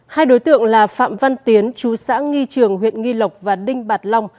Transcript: hai đối tượng là phạm văn tiến chú xã nghi trường huyện nghi lộc và đinh bạc long